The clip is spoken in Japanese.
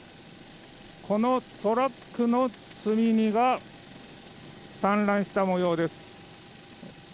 このトラックの積み荷が散乱した模様です。